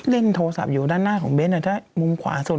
เล่นโทรศัพท์อยู่ด้านหน้าของเบ้นถ้ามุมขวาสุด